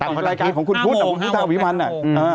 ต่างกับรายการของคุณพุธอ่าห้าโมงห้าโมงห้าวิมันอ่ะอืมอ่า